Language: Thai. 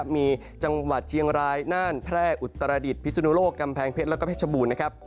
มีจังหวัดเชียงรายน่านแพร่อุตรดิษฐพิสุนุโลกกำแพงเพชรแล้วก็เพชรบูรณ์นะครับ